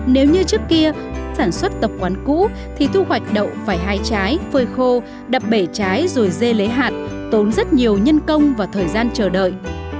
nếu như trước kia sản xuất tập quán cũ thì thu hoạch đậu phải hai trái phơi khô đập bể trái rồi dê lấy hạt tốn rất nhiều nhân công và thời gian chờ đợi